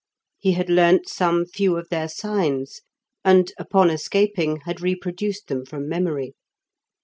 He had learnt some few of their signs, and, upon escaping, had reproduced them from memory.